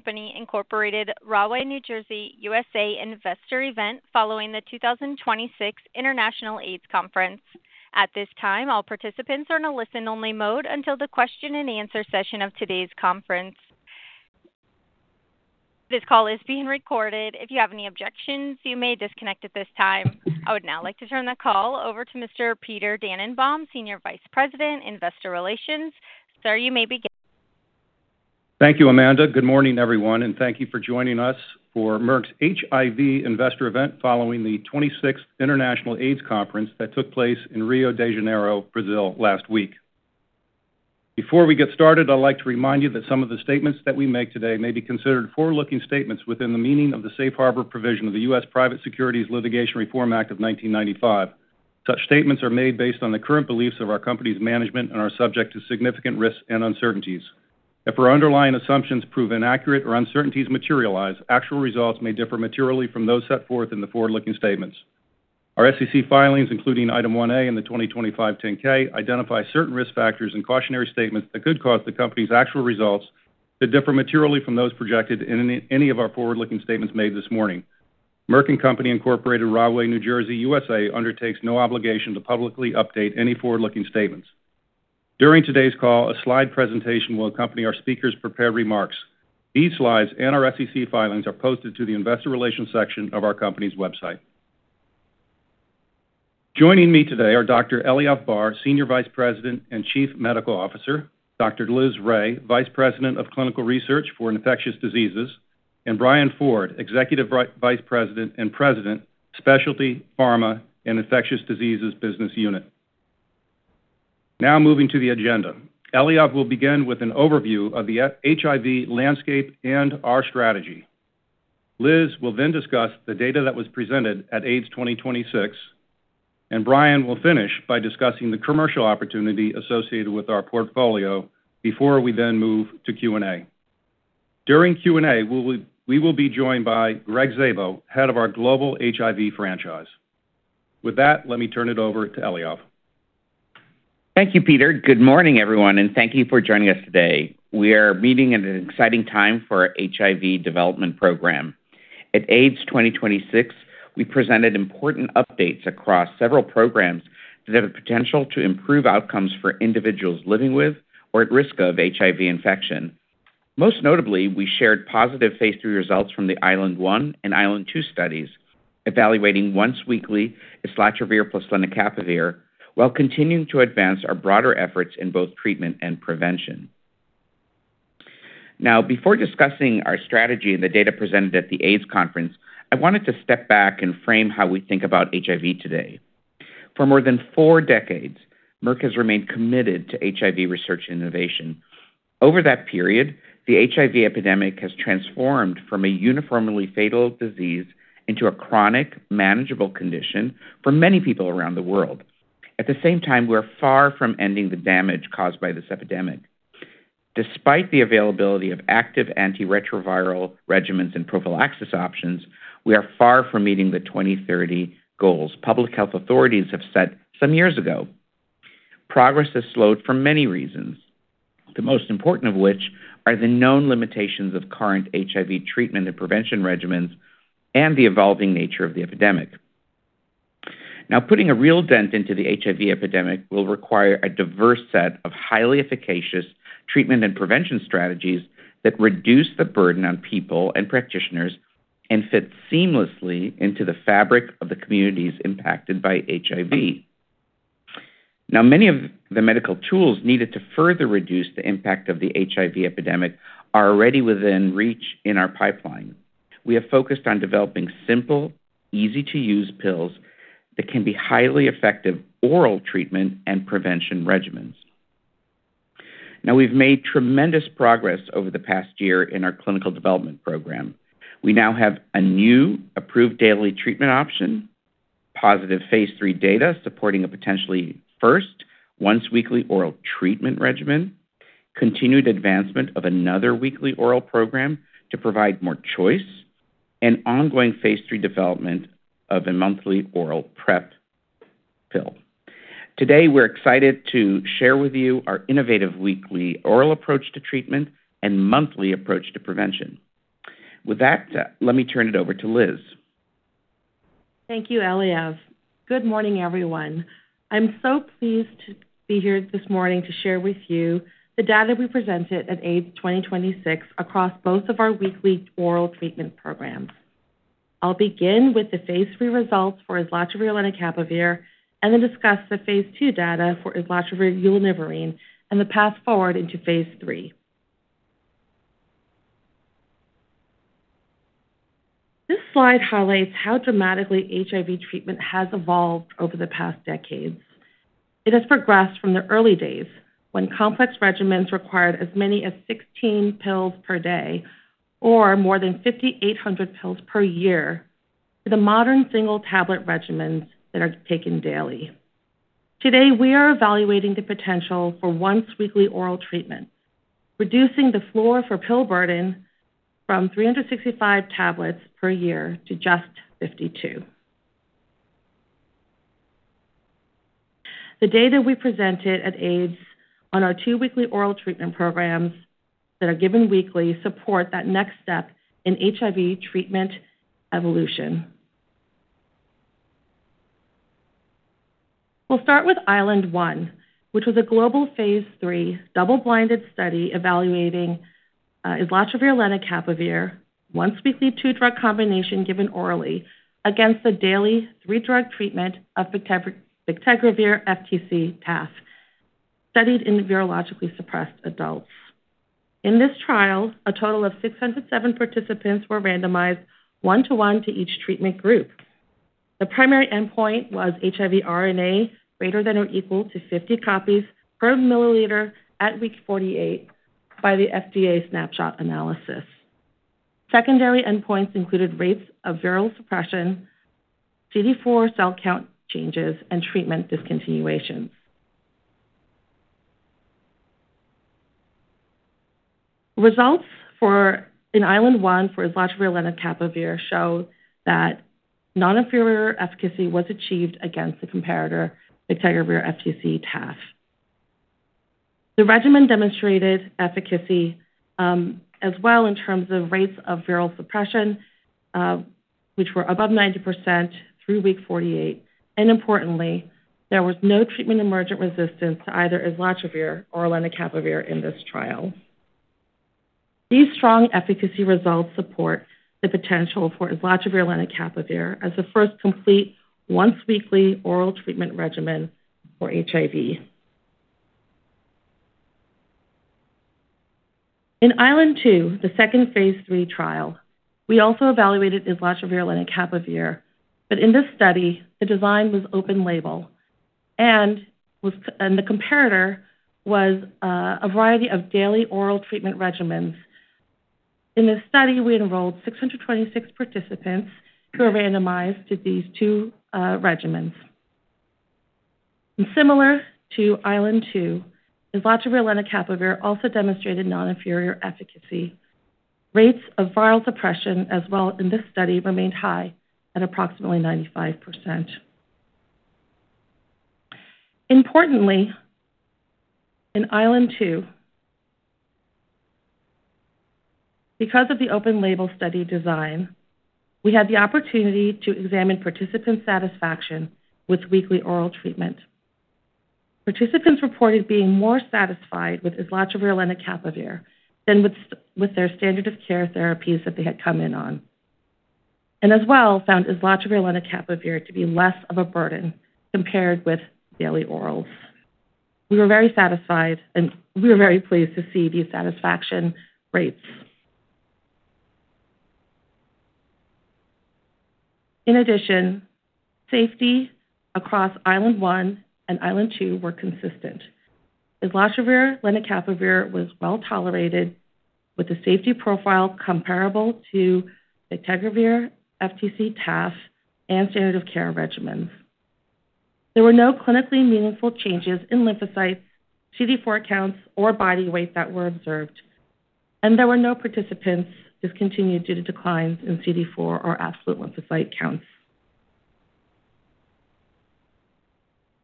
Merck & Co., Inc., Rahway, New Jersey, U.S.A. investor event following the 2026 International AIDS Conference. At this time, all participants are in a listen-only mode until the question-and-answer session of today's conference. This call is being recorded. If you have any objections, you may disconnect at this time. I would now like to turn the call over to Mr. Peter Dannenbaum, Senior Vice President, Investor Relations. Sir, you may begin. Thank you, Amanda. Good morning, everyone, and thank you for joining us for Merck's HIV investor event following the 26th International AIDS Conference that took place in Rio de Janeiro, Brazil last week. Before we get started, I'd like to remind you that some of the statements that we make today may be considered forward-looking statements within the meaning of the Safe Harbor provision of the U.S. Private Securities Litigation Reform Act of 1995. Such statements are made based on the current beliefs of our company's management and are subject to significant risks and uncertainties. If our underlying assumptions prove inaccurate or uncertainties materialize, actual results may differ materially from those set forth in the forward-looking statements. Our SEC filings, including Item 1A in the 2025 10-K, identify certain risk factors and cautionary statements that could cause the company's actual results to differ materially from those projected in any of our forward-looking statements made this morning. Merck & Co., Inc., Rahway, New Jersey, U.S.A., undertakes no obligation to publicly update any forward-looking statements. During today's call, a slide presentation will accompany our speakers' prepared remarks. These slides and our SEC filings are posted to the investor relations section of our company's website. Joining me today are Dr. Eliav Barr, Senior Vice President and Chief Medical Officer, Dr. Liz Rhee, Vice President of Clinical Research for Infectious Diseases, and Brian Foard, Executive Vice President and President, Specialty, Pharma and Infectious Diseases Business Unit. Now moving to the agenda. Eliav will begin with an overview of the HIV landscape and our strategy. Liz will then discuss the data that was presented at AIDS 2024, and Brian will finish by discussing the commercial opportunity associated with our portfolio before we then move to Q&A. During Q&A, we will be joined by Gregg Szabo, head of our global HIV franchise. With that, let me turn it over to Eliav. Thank you, Peter. Good morning, everyone, and thank you for joining us today. We are meeting at an exciting time for our HIV development program. At AIDS 2024, we presented important updates across several programs that have the potential to improve outcomes for individuals living with or at risk of HIV infection. Most notably, we shared positive phase III results from the ISLEND-1 and ISLEND-2 studies, evaluating once-weekly islatravir plus lenacapavir while continuing to advance our broader efforts in both treatment and prevention. Now, before discussing our strategy and the data presented at the AIDS Conference, I wanted to step back and frame how we think about HIV today. For more than four decades, Merck has remained committed to HIV research innovation. Over that period, the HIV epidemic has transformed from a uniformly fatal disease into a chronic, manageable condition for many people around the world. At the same time, we are far from ending the damage caused by this epidemic. Despite the availability of active antiretroviral regimens and prophylaxis options, we are far from meeting the 2030 goals public health authorities have set some years ago. Progress has slowed for many reasons, the most important of which are the known limitations of current HIV treatment and prevention regimens and the evolving nature of the epidemic. Now, putting a real dent into the HIV epidemic will require a diverse set of highly efficacious treatment and prevention strategies that reduce the burden on people and practitioners and fit seamlessly into the fabric of the communities impacted by HIV. Now, many of the medical tools needed to further reduce the impact of the HIV epidemic are already within reach in our pipeline. We have focused on developing simple, easy-to-use pills that can be highly effective oral treatment and prevention regimens. Now, we've made tremendous progress over the past year in our clinical development program. Now, we now have a new approved daily treatment option, positive phase III data supporting a potentially first once-weekly oral treatment regimen, continued advancement of another weekly oral program to provide more choice, and ongoing phase III development of a monthly oral PrEP pill. Today, we're excited to share with you our innovative weekly oral approach to treatment and monthly approach to prevention. With that, let me turn it over to Liz. Thank you, Eliav. Good morning, everyone. I'm so pleased to be here this morning to share with you the data we presented at AIDS 2024 across both of our weekly oral treatment programs. I'll begin with the phase III results for islatravir/lenacapavir and then discuss the phase II data for islatravir/ulonivirine and the path forward into phase III. This slide highlights how dramatically HIV treatment has evolved over the past decades. It has progressed from the early days, when complex regimens required as many as 16 pills per day, or more than 5,800 pills per year, to the modern single-tablet regimens that are taken daily. Today, we are evaluating the potential for once-weekly oral treatment, reducing the floor for pill burden from 365 tablets per year to just 52. The data we presented at AIDS on our two weekly oral treatment programs that are given weekly support that next step in HIV treatment evolution. We'll start with ISLEND-1, which was a global phase III double-blinded study evaluating islatravir/lenacapavir, once-weekly two-drug combination given orally against the daily three-drug treatment of bictegravir/FTC/TAF, studied in virologically suppressed adults. In this trial, a total of 607 participants were randomized one to one to each treatment group. The primary endpoint was HIV RNA greater than or equal to 50 copies per milliliter at week 48 by the FDA snapshot analysis. Secondary endpoints included rates of viral suppression, CD4 cell count changes, and treatment discontinuations. Results in ISLEND-1 for islatravir/lenacapavir show that non-inferior efficacy was achieved against the comparator bictegravir/FTC/TAF. The regimen demonstrated efficacy as well in terms of rates of viral suppression, which were above 90% through week 48, and importantly, there was no treatment-emergent resistance to either islatravir or lenacapavir in this trial. These strong efficacy results support the potential for islatravir/lenacapavir as the first complete once-weekly oral treatment regimen for HIV. In ISLEND-2, the second phase III trial, we also evaluated islatravir/lenacapavir. In this study, the design was open label, and the comparator was a variety of daily oral treatment regimens. In this study, we enrolled 626 participants who were randomized to these two regimens. Similar to ISLEND-2, islatravir/lenacapavir also demonstrated non-inferior efficacy. Rates of viral suppression as well in this study remained high at approximately 95%. Importantly, in ISLEND-2, because of the open-label study design, we had the opportunity to examine participant satisfaction with weekly oral treatment. Participants reported being more satisfied with islatravir/lenacapavir than with their standard of care therapies that they had come in on. As well, found islatravir/lenacapavir to be less of a burden compared with daily orals. We were very pleased to see these satisfaction rates. In addition, safety across ISLEND-1 and ISLEND-2 were consistent. Islatravir/lenacapavir was well-tolerated with a safety profile comparable to bictegravir/FTC /TAF and standard of care regimens. There were no clinically meaningful changes in lymphocytes, CD4 counts, or body weight that were observed, and there were no participants discontinued due to declines in CD4 or absolute lymphocyte counts.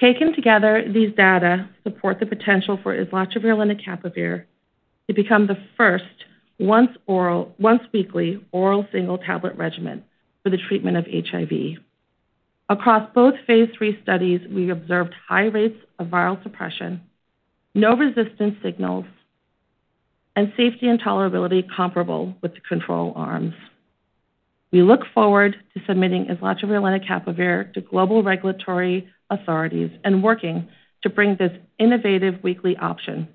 Taken together, these data support the potential for islatravir/lenacapavir to become the first once-weekly oral single tablet regimen for the treatment of HIV. Across both phase III studies, we observed high rates of viral suppression, no resistance signals, and safety and tolerability comparable with the control arms. We look forward to submitting islatravir/lenacapavir to global regulatory authorities and working to bring this innovative weekly option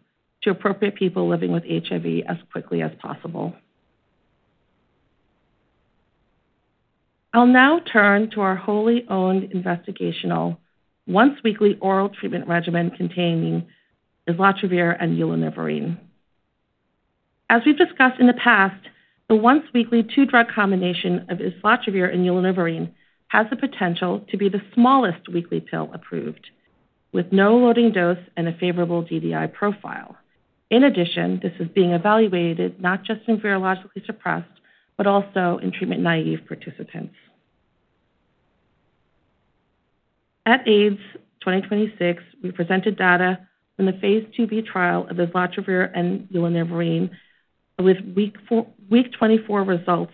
to appropriate people living with HIV as quickly as possible. I'll now turn to our wholly owned investigational once-weekly oral treatment regimen containing islatravir and ulonivirine. As we've discussed in the past, the once-weekly two-drug combination of islatravir and ulonivirine has the potential to be the smallest weekly pill approved, with no loading dose and a favorable DDI profile. In addition, this is being evaluated not just in virologically suppressed, but also in treatment-naive participants. At AIDS 2024, we presented data from the phase II-B trial of islatravir and ulonivirine with week 24 results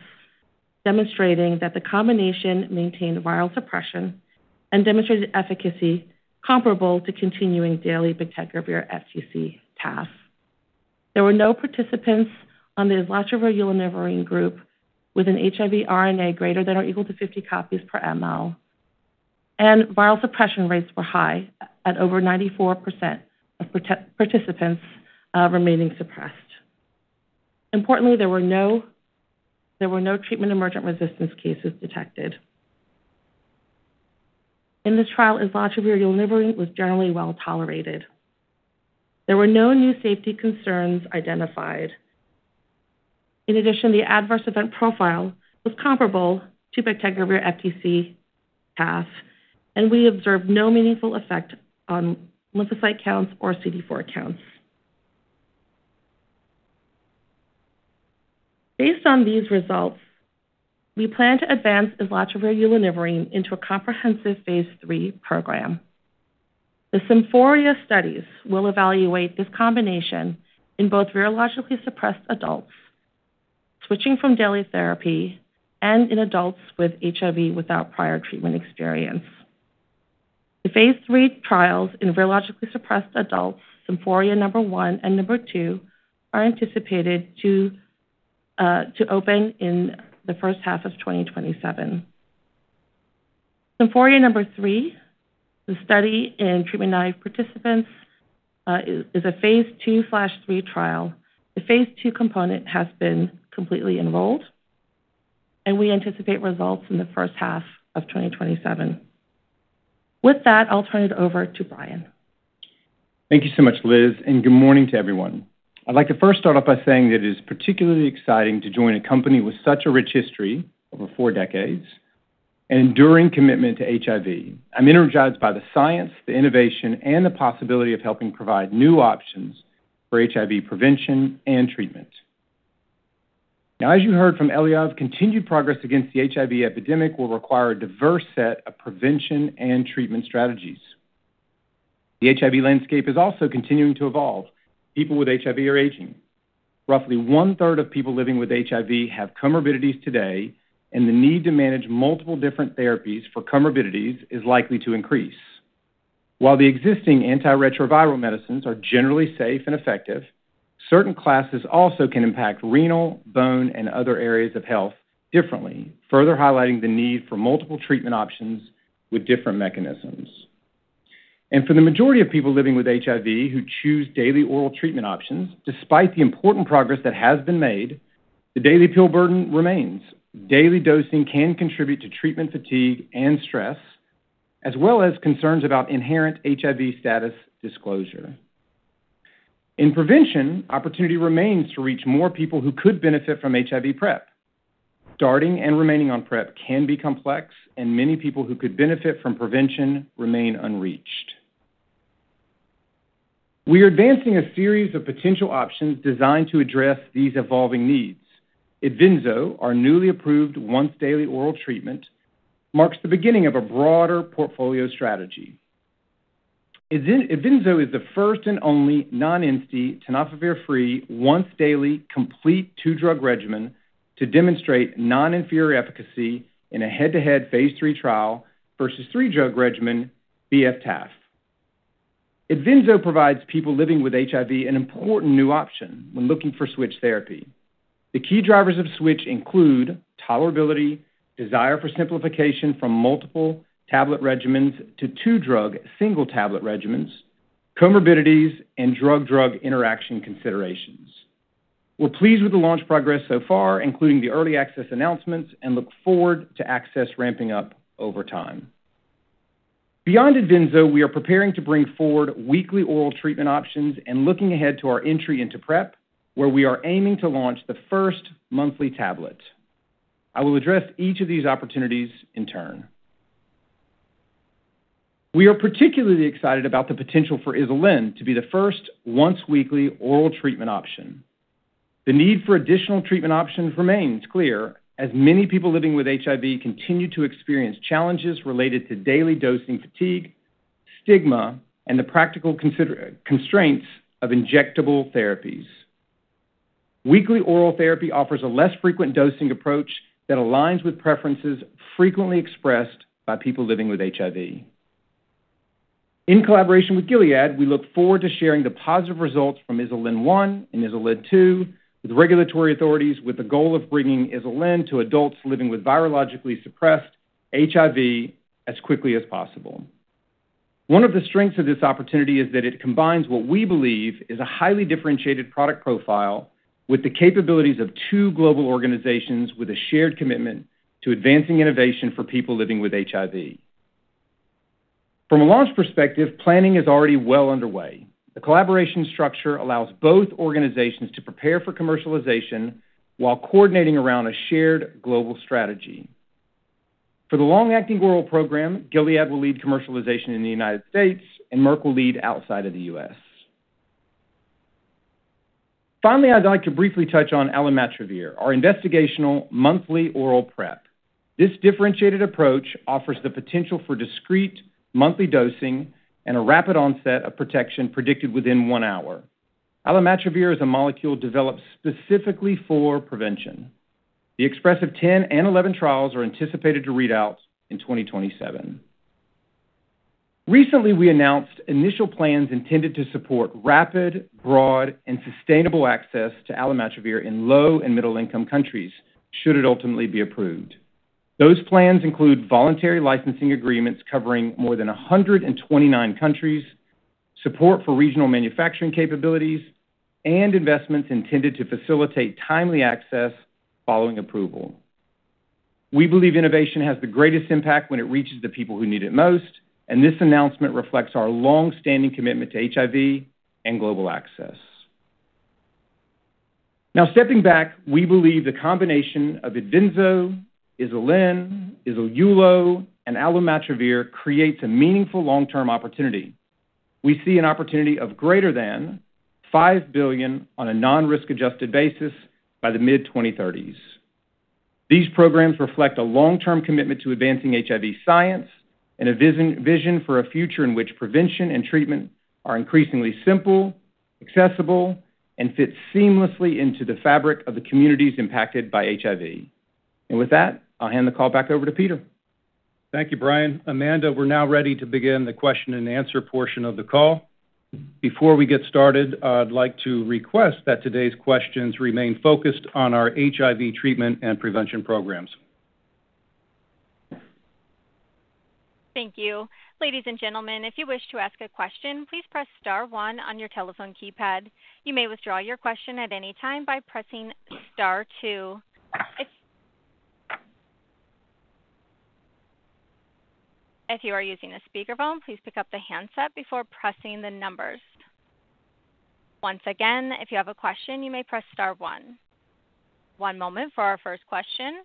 demonstrating that the combination maintained viral suppression and demonstrated efficacy comparable to continuing daily bictegravir/FTC/TAF. There were no participants on the islatravir/ulonivirine group with an HIV RNA greater than or equal to 50 copies per milliliter, and viral suppression rates were high at over 94% of participants remaining suppressed. Importantly, there were no treatment-emergent resistance cases detected. In the trial, islatravir/ulonivirine was generally well-tolerated. There were no new safety concerns identified. In addition, the adverse event profile was comparable to bictegravir/FTC/TAF, and we observed no meaningful effect on lymphocyte counts or CD4 counts. Based on these results, we plan to advance islatravir/ulonivirine into a comprehensive phase III program. The SYMPHORIA studies will evaluate this combination in both virologically suppressed adults switching from daily therapy and in adults with HIV without prior treatment experience. The phase III trials in virologically suppressed adults, SYMPHORIA No. 1 and No. 2, are anticipated to open in the first half of 2027. SYMPHORIA No. 3, the study in treatment-naive participants, is a phase II/III trial. The phase II component has been completely enrolled, and we anticipate results in the first half of 2027. With that, I'll turn it over to Brian. Thank you so much, Liz, and good morning to everyone. I'd like to first start off by saying that it is particularly exciting to join a company with such a rich history, over four decades, and enduring commitment to HIV. I'm energized by the science, the innovation, and the possibility of helping provide new options for HIV prevention and treatment. As you heard from Eliav, continued progress against the HIV epidemic will require a diverse set of prevention and treatment strategies. The HIV landscape is also continuing to evolve. People with HIV are aging. Roughly one-third of people living with HIV have comorbidities today, and the need to manage multiple different therapies for comorbidities is likely to increase. While the existing antiretroviral medicines are generally safe and effective, certain classes also can impact renal, bone, and other areas of health differently, further highlighting the need for multiple treatment options with different mechanisms. For the majority of people living with HIV who choose daily oral treatment options, despite the important progress that has been made, the daily pill burden remains. Daily dosing can contribute to treatment fatigue and stress, as well as concerns about inherent HIV status disclosure. In prevention, opportunity remains to reach more people who could benefit from HIV PrEP. Starting and remaining on PrEP can be complex, and many people who could benefit from prevention remain unreached. We are advancing a series of potential options designed to address these evolving needs. IDVYNSO, our newly approved once-daily oral treatment, marks the beginning of a broader portfolio strategy. IDVYNSO is the first and only non-INSTI tenofovir-free, once-daily, complete two-drug regimen to demonstrate non-inferior efficacy in a head-to-head phase III trial versus three drug regimen B/F/TAF. IDVYNSO provides people living with HIV an important new option when looking for switch therapy. The key drivers of switch include tolerability, desire for simplification from multiple tablet regimens to two-drug single-tablet regimens, comorbidities, and drug-drug interaction considerations. We're pleased with the launch progress so far, including the early access announcements, and look forward to access ramping up over time. Beyond IDVYNSO, we are preparing to bring forward weekly oral treatment options and looking ahead to our entry into PrEP, where we are aiming to launch the first monthly tablet. I will address each of these opportunities in turn. We are particularly excited about the potential for islatravir to be the first once-weekly oral treatment option. The need for additional treatment options remains clear, as many people living with HIV continue to experience challenges related to daily dosing fatigue, stigma, and the practical constraints of injectable therapies. Weekly oral therapy offers a less frequent dosing approach that aligns with preferences frequently expressed by people living with HIV. In collaboration with Gilead, we look forward to sharing the positive results from ISLEND-1 and ISLEND-2 with regulatory authorities, with the goal of bringing ISL/LEN to adults living with virologically suppressed HIV as quickly as possible. One of the strengths of this opportunity is that it combines what we believe is a highly differentiated product profile with the capabilities of two global organizations with a shared commitment to advancing innovation for people living with HIV. From a launch perspective, planning is already well underway. The collaboration structure allows both organizations to prepare for commercialization while coordinating around a shared global strategy. For the long-acting oral program, Gilead will lead commercialization in the U.S., and Merck will lead outside of the U.S. Finally, I'd like to briefly touch on alimatravir, our investigational monthly oral PrEP. This differentiated approach offers the potential for discreet monthly dosing and a rapid onset of protection predicted within one hour. Alimatravir is a molecule developed specifically for prevention. The EXPrESSIVE 10 and 11 trials are anticipated to read out in 2027. Recently, we announced initial plans intended to support rapid, broad, and sustainable access to alimatravir in low and middle-income countries, should it ultimately be approved. Those plans include voluntary licensing agreements covering more than 129 countries, support for regional manufacturing capabilities, and investments intended to facilitate timely access following approval. We believe innovation has the greatest impact when it reaches the people who need it most, and this announcement reflects our longstanding commitment to HIV and global access. Now stepping back, we believe the combination of IDVYNSO, ISL/LEN, ISL/ULO and alimatravir creates a meaningful long-term opportunity. We see an opportunity of greater than $5 billion on a non-risk-adjusted basis by the mid-2030s. These programs reflect a long-term commitment to advancing HIV science and a vision for a future in which prevention and treatment are increasingly simple, accessible, and fit seamlessly into the fabric of the communities impacted by HIV. With that, I'll hand the call back over to Peter. Thank you, Brian. Amanda, we're now ready to begin the question and answer portion of the call. Before we get started, I'd like to request that today's questions remain focused on our HIV treatment and prevention programs. Thank you. Ladies and gentlemen, if you wish to ask a question, please press star one on your telephone keypad. You may withdraw your question at any time by pressing star two. If you are using a speakerphone, please pick up the handset before pressing the numbers. Once again, if you have a question, you may press star one. One moment for our first question.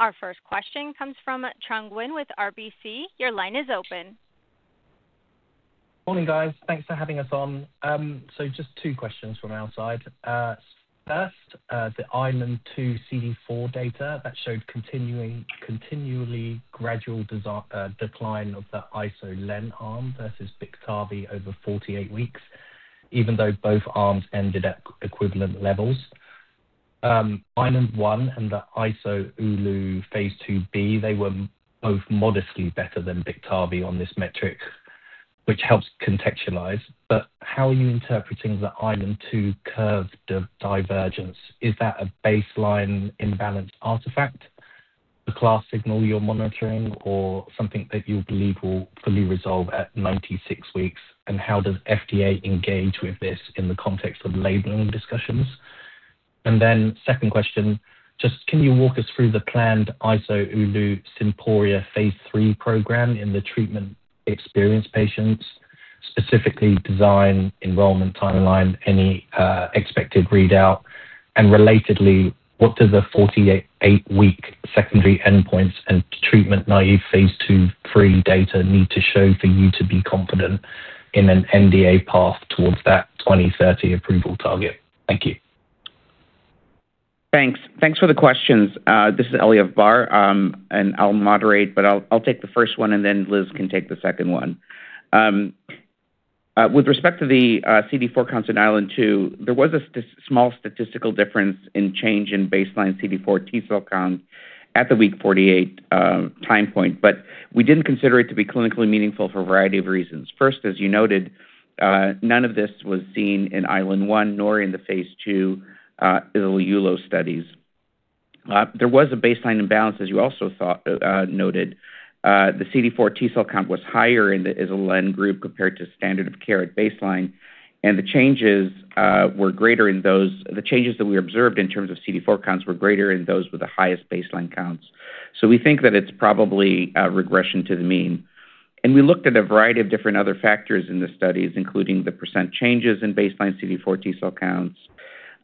Our first question comes from Trung Huynh with RBC. Your line is open. Morning, guys. Thanks for having us on. Just two questions from our side. First, the ISLEND-2 CD4 data that showed continually gradual decline of the ISL/LEN arm versus BIKTARVY over 48 weeks, even though both arms ended at equivalent levels. ISLEND-1 and the ISL/ULO phase II-B, they were both modestly better than BIKTARVY on this metric, which helps contextualize. How are you interpreting the ISLEND-2 curve divergence? Is that a baseline imbalance artifact, a class signal you're monitoring, or something that you believe will fully resolve at 96 weeks? How does FDA engage with this in the context of labeling discussions? Then second question, just can you walk us through the planned ISL/ULO SYMPHORIA phase III program in the treatment-experienced patients, specifically design, enrollment timeline, any expected readout? Relatedly, what do the 48-week secondary endpoints and treatment-naive phase II/III data need to show for you to be confident in an NDA path towards that 2030 approval target? Thank you. Thanks. Thanks for the questions. This is Eliav Barr, and I will moderate, but I will take the first one, and then Liz can take the second one. With respect to the CD4 counts in ISLEND-2, there was a small statistical difference in change in baseline CD4 T cell count at the week 48 time point. We didn't consider it to be clinically meaningful for a variety of reasons. First, as you noted, none of this was seen in ISLEND-1, nor in the phase II ISL/ULO studies. There was a baseline imbalance, as you also noted. The CD4 T cell count was higher in the ISL/LEN group compared to standard of care at baseline, and the changes that we observed in terms of CD4 counts were greater in those with the highest baseline counts. We think that it's probably a regression to the mean. We looked at a variety of different other factors in the studies, including the percent changes in baseline CD4 T cell counts,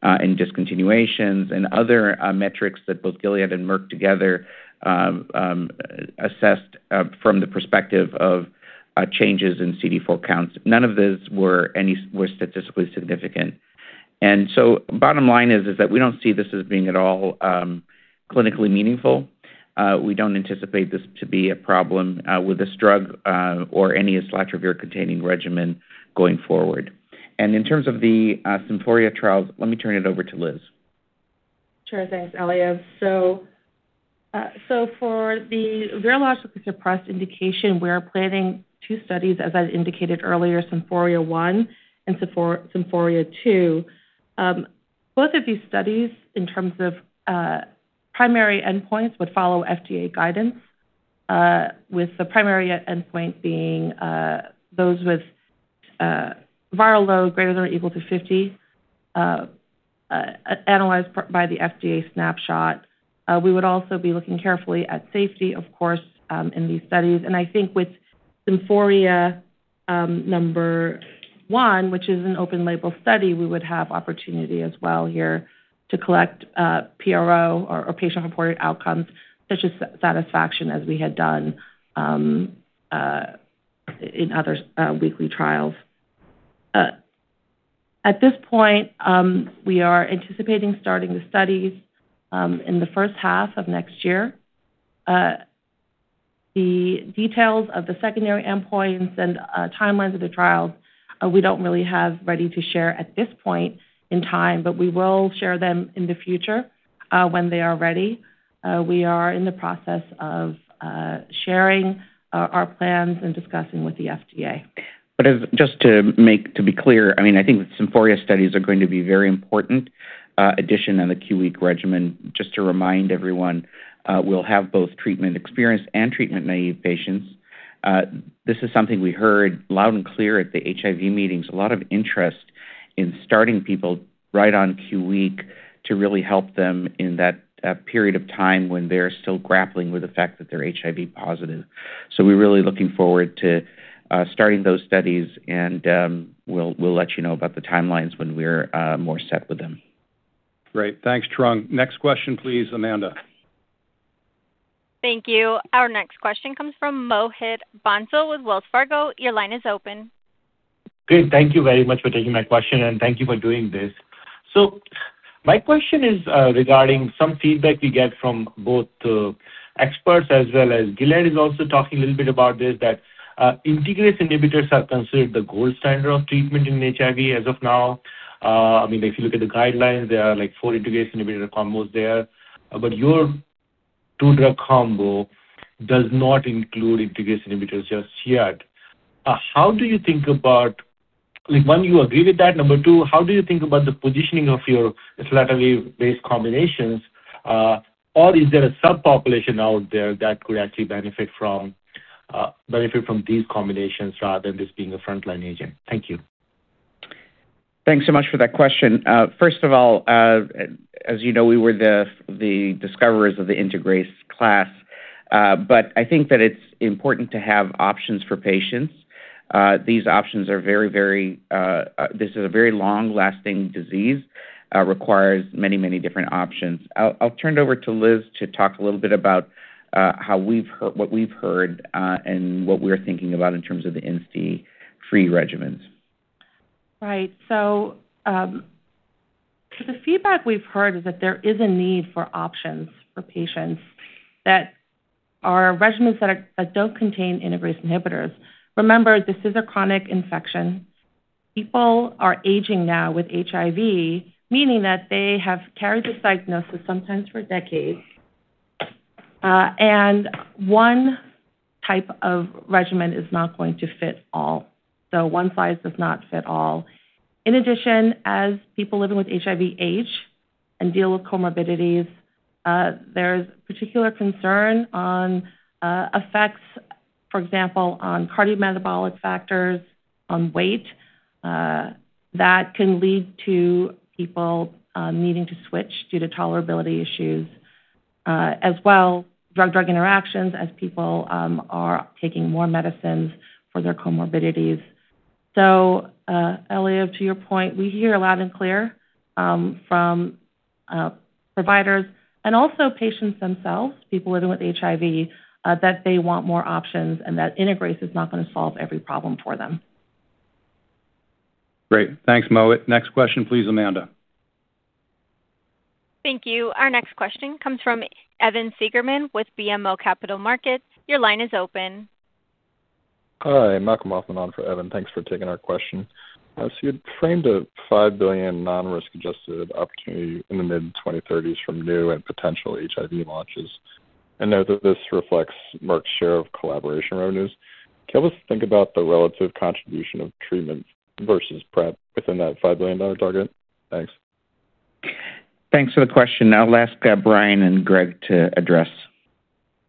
and discontinuations, and other metrics that both Gilead and Merck together assessed from the perspective of changes in CD4 counts. None of those were statistically significant. Bottom line is that we don't see this as being at all clinically meaningful. We don't anticipate this to be a problem with this drug or any islatravir-containing regimen going forward. In terms of the SYMPHORIA trials, let me turn it over to Liz. Sure. Thanks, Eliav. For the virologically suppressed indication, we are planning two studies, as I indicated earlier, SYMPHORIA 1 and SYMPHORIA 2. Both of these studies, in terms of primary endpoints, would follow FDA guidance, with the primary endpoint being those with viral load greater than or equal to 50, analyzed by the FDA snapshot. We would also be looking carefully at safety, of course, in these studies. I think with SYMPHORIA 1, which is an open-label study, we would have opportunity as well here to collect PRO or patient-reported outcomes such as satisfaction, as we had done in other weekly trials. At this point, we are anticipating starting the studies in the first half of next year. The details of the secondary endpoints and timelines of the trials we don't really have ready to share at this point in time, but we will share them in the future when they are ready. We are in the process of sharing our plans and discussing with the FDA. Just to be clear, I think the SYMPHORIA studies are going to be a very important addition on the Q week regimen. Just to remind everyone, we'll have both treatment-experienced and treatment-naive patients. This is something we heard loud and clear at the HIV meetings, a lot of interest in starting people right on Q week to really help them in that period of time when they're still grappling with the fact that they're HIV positive. We're really looking forward to starting those studies, and we'll let you know about the timelines when we're more set with them. Great. Thanks, Trung. Next question please, Amanda. Thank you. Our next question comes from Mohit Bansal with Wells Fargo. Your line is open. Great. Thank you very much for taking my question, and thank you for doing this. My question is regarding some feedback we get from both experts as well as Gilead is also talking a little bit about this, that integrase inhibitors are considered the gold standard of treatment in HIV as of now. If you look at the guidelines, there are four integrase inhibitor combos there. Your two-drug combo does not include integrase inhibitors just yet. One, do you agree with that? Number two, how do you think about the positioning of your islatravir-based combinations? Is there a subpopulation out there that could actually benefit from these combinations rather than this being a frontline agent? Thank you. Thanks so much for that question. First of all, as you know, we were the discoverers of the integrase class, but I think that it's important to have options for patients. This is a very long-lasting disease, requires many different options. I'll turn it over to Liz to talk a little bit about what we've heard, and what we're thinking about in terms of the INSTI-free regimens. Right. The feedback we've heard is that there is a need for options for patients that are regimens that don't contain integrase inhibitors. Remember, this is a chronic infection. People are aging now with HIV, meaning that they have carried this diagnosis sometimes for decades. One type of regimen is not going to fit all. One size does not fit all. In addition, as people living with HIV age and deal with comorbidities, there's particular concern on effects, for example, on cardiometabolic factors, on weight, that can lead to people needing to switch due to tolerability issues. As well, drug interactions as people are taking more medicines for their comorbidities. Eliav, to your point, we hear loud and clear from providers and also patients themselves, people living with HIV, that they want more options and that integrase is not going to solve every problem for them. Great. Thanks, Mohit. Next question please, Amanda. Thank you. Our next question comes from Evan Seigerman with BMO Capital Markets. Your line is open. Hi, Malcolm Hoffman on for Evan. Thanks for taking our question. You had framed a $5 billion non-risk-adjusted opportunity in the mid-2030s from new and potential HIV launches, and note that this reflects Merck's share of collaboration revenues. Can you help us think about the relative contribution of treatment versus PrEP within that $5 billion target? Thanks. Thanks for the question. I'll ask Brian and Gregg to address.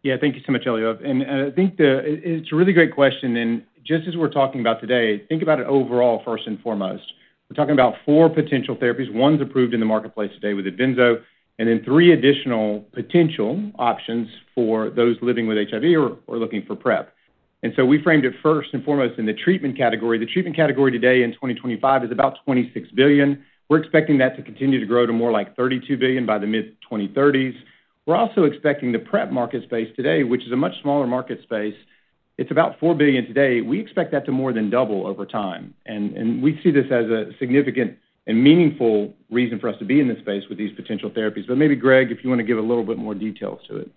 Yeah, thank you so much, Eliav. I think that it's a really great question. Just as we're talking about today, think about it overall first and foremost. We're talking about four potential therapies. One's approved in the marketplace today with IDVYNSO, and then three additional potential options for those living with HIV or looking for PrEP. We framed it first and foremost in the treatment category. The treatment category today in 2025 is about $26 billion. We're expecting that to continue to grow to more like $32 billion by the mid-2030s. We're also expecting the PrEP market space today, which is a much smaller market space. It's about $4 billion today. We expect that to more than double over time, and we see this as a significant and meaningful reason for us to be in this space with these potential therapies. Maybe Gregg, if you want to give a little bit more details to it.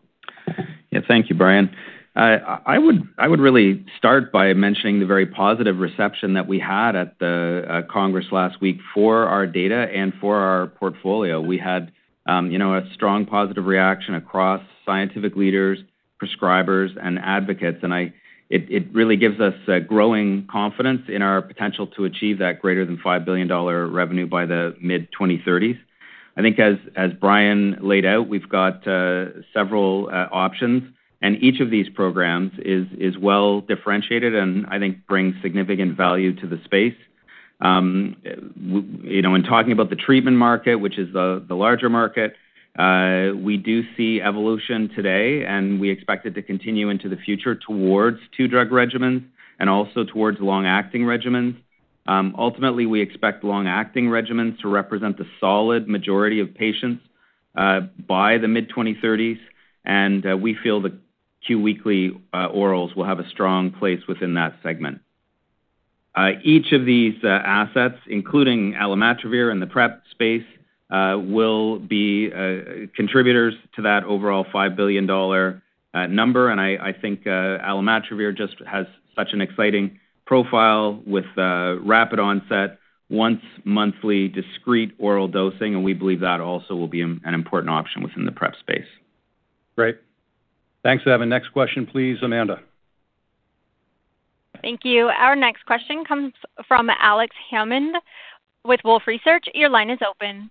Thank you, Brian. I would really start by mentioning the very positive reception that we had at the Congress last week for our data and for our portfolio. We had a strong positive reaction across scientific leaders, prescribers, and advocates. It really gives us a growing confidence in our potential to achieve that greater than $5 billion revenue by the mid-2030s. I think as Brian laid out, we've got several options, each of these programs is well-differentiated and I think brings significant value to the space. In talking about the treatment market, which is the larger market, we do see evolution today, and we expect it to continue into the future towards two-drug regimens and also towards long-acting regimens. Ultimately, we expect long-acting regimens to represent the solid majority of patients, by the mid-2030s. We feel that Q-weekly orals will have a strong place within that segment. Each of these assets, including alimatravir in the PrEP space, will be contributors to that overall $5 billion number. I think alimatravir just has such an exciting profile with rapid onset, once-monthly discrete oral dosing, and we believe that also will be an important option within the PrEP space. Great. Thanks, Evan. Next question please, Amanda. Thank you. Our next question comes from Alex Hammond with Wolfe Research. Your line is open.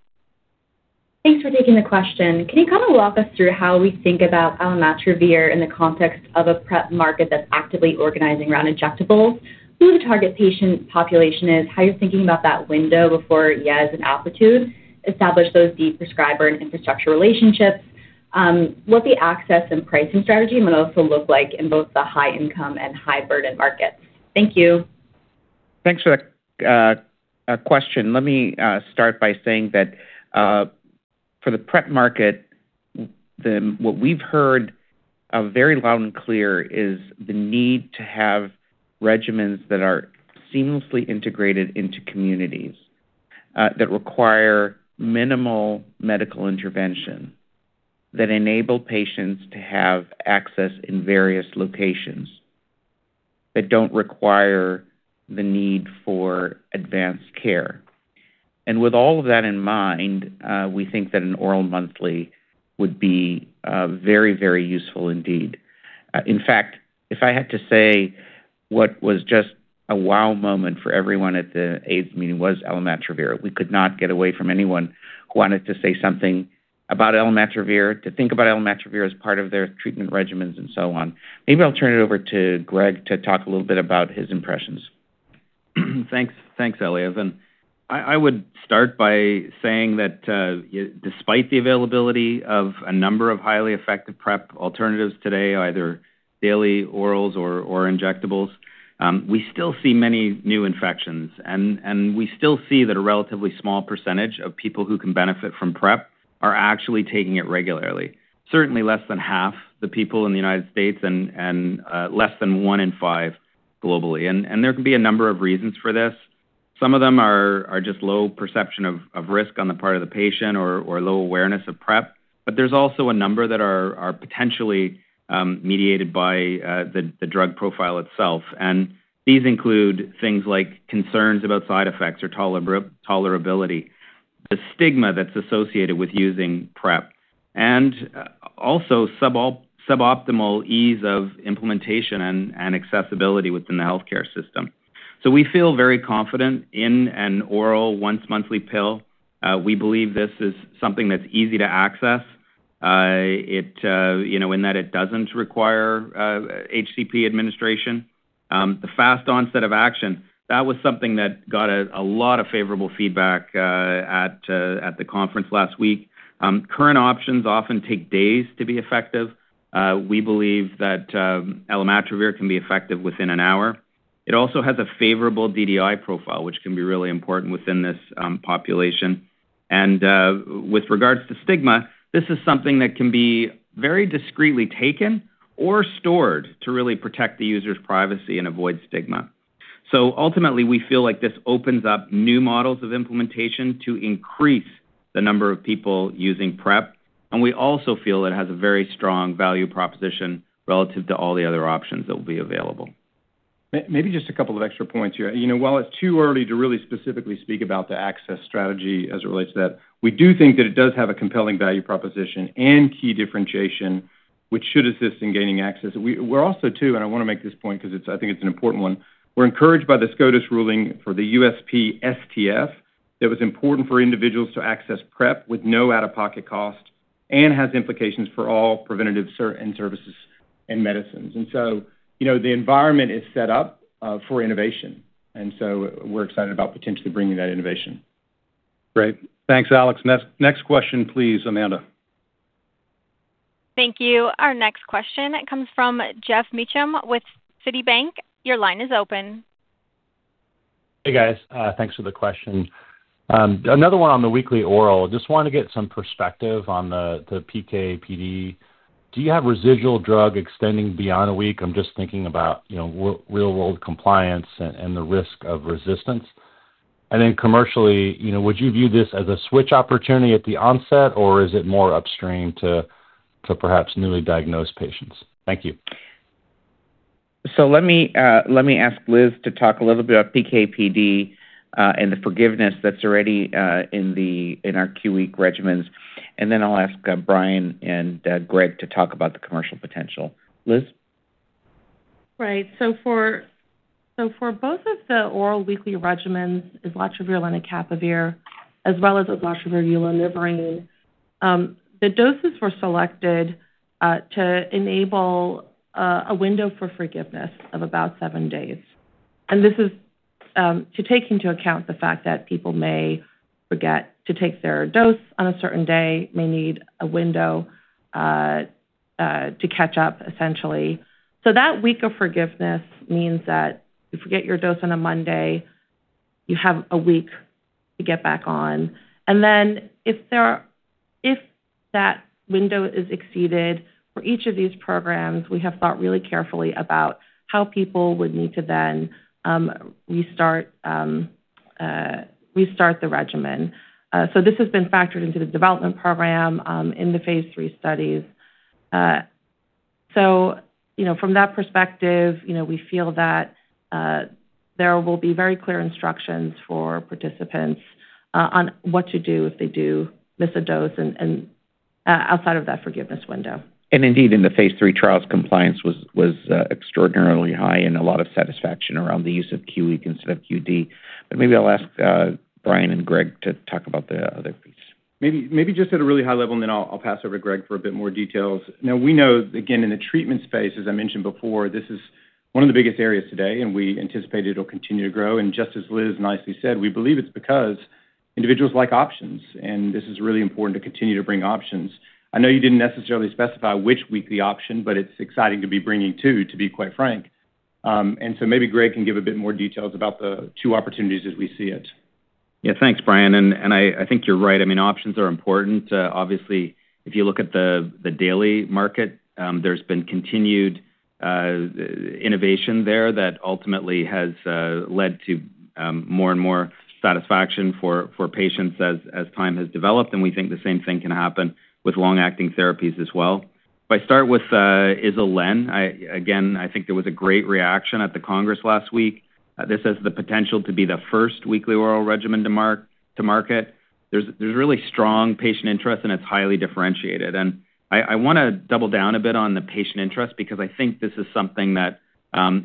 Thanks for taking the question. Can you kind of walk us through how we think about alimatravir in the context of a PrEP market that's actively organizing around injectables, who the target patient population is, how you're thinking about that window before YEZTUGO and APRETUDE establish those deep prescriber and infrastructure relationships? What the access and pricing strategy might also look like in both the high-income and high-burden markets? Thank you. Thanks for that question. Let me start by saying that for the PrEP market, what we've heard very loud and clear is the need to have regimens that are seamlessly integrated into communities, that require minimal medical intervention, that enable patients to have access in various locations, that don't require the need for advanced care. With all of that in mind, we think that an oral monthly would be very, very useful indeed. In fact, if I had to say what was just a wow moment for everyone at the AIDS meeting was alimatravir. We could not get away from anyone who wanted to say something about alimatravir, to think about alimatravir as part of their treatment regimens and so on. Maybe I'll turn it over to Gregg to talk a little bit about his impressions. Thanks, Eliav. I would start by saying that despite the availability of a number of highly effective PrEP alternatives today, either daily orals or injectables, we still see many new infections. We still see that a relatively small percentage of people who can benefit from PrEP are actually taking it regularly. Certainly less than half the people in the U.S., less than one in five globally. There can be a number of reasons for this. Some of them are just low perception of risk on the part of the patient or low awareness of PrEP. There's also a number that are potentially mediated by the drug profile itself. These include things like concerns about side effects or tolerability, the stigma that's associated with using PrEP, also suboptimal ease of implementation and accessibility within the healthcare system. We feel very confident in an oral once-monthly pill. We believe this is something that's easy to access, in that it doesn't require HCP administration. The fast onset of action, that was something that got a lot of favorable feedback at the conference last week. Current options often take days to be effective. We believe that alimatravir can be effective within an hour. It also has a favorable DDI profile, which can be really important within this population. With regards to stigma, this is something that can be very discreetly taken or stored to really protect the user's privacy and avoid stigma. Ultimately, we feel like this opens up new models of implementation to increase the number of people using PrEP, and we also feel it has a very strong value proposition relative to all the other options that will be available. Maybe just a couple of extra points here. While it's too early to really specifically speak about the access strategy as it relates to that, we do think that it does have a compelling value proposition and key differentiation, which should assist in gaining access. We're also, too, I want to make this point because I think it's an important one, we're encouraged by the SCOTUS ruling for the USPSTF, that was important for individuals to access PrEP with no out-of-pocket cost and has implications for all preventative services and medicines. The environment is set up for innovation, we're excited about potentially bringing that innovation. Great. Thanks, Alex. Next question please, Amanda. Thank you. Our next question comes from Geoff Meacham with Citibank. Your line is open. Hey, guys. Thanks for the questions. Another one on the weekly oral. Just want to get some perspective on the PK/PD. Do you have residual drug extending beyond a week? I'm just thinking about real-world compliance and the risk of resistance. Commercially, would you view this as a switch opportunity at the onset, or is it more upstream to perhaps newly diagnosed patients? Thank you. Let me ask Liz to talk a little bit about PK/PD, and the forgiveness that's already in our Q week regimens, and then I'll ask Brian and Gregg to talk about the commercial potential. Liz? Right. For both of the oral weekly regimens, islatravir and lenacapavir, as well as islatravir/ulonivirine, the doses were selected to enable a window for forgiveness of about seven days. This is to take into account the fact that people may forget to take their dose on a certain day, may need a window to catch up, essentially. That week of forgiveness means that if you forget your dose on a Monday, you have a week to get back on. If that window is exceeded for each of these programs, we have thought really carefully about how people would need to then restart the regimen. This has been factored into the development program in the phase III studies. From that perspective, we feel that there will be very clear instructions for participants on what to do if they do miss a dose outside of that forgiveness window. Indeed, in the phase III trials, compliance was extraordinarily high and a lot of satisfaction around the use of Q week instead of QD. Maybe I'll ask Brian and Gregg to talk about the other piece. Maybe just at a really high level, I'll pass over to Gregg for a bit more details. We know, again, in the treatment space, as I mentioned before, this is one of the biggest areas today, we anticipate it'll continue to grow. Just as Liz nicely said, we believe it's because individuals like options, this is really important to continue to bring options. I know you didn't necessarily specify which weekly option, it's exciting to be bringing two, to be quite frank. Maybe Gregg can give a bit more details about the two opportunities as we see it. Yeah. Thanks, Brian, I think you're right. Options are important. Obviously, if you look at the daily market, there's been continued innovation there that ultimately has led to more and more satisfaction for patients as time has developed, we think the same thing can happen with long-acting therapies as well. If I start with ISL/LEN, again, I think there was a great reaction at the Congress last week. This has the potential to be the first weekly oral regimen to market. There's really strong patient interest, it's highly differentiated. I want to double down a bit on the patient interest because I think this is something that